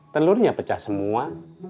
telurnya pecah semua